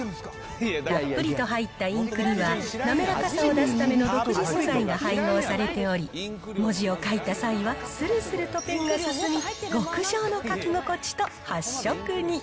たっぷりと入ったインクには、滑らかさを出すための独自素材が配合されており、文字を書いた際は、するするとペンが進み、極上の書き心地と発色に。